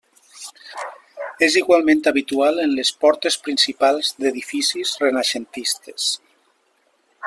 És igualment habitual en les portes principals d'edificis renaixentistes.